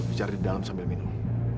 bicara di dalam sambil minum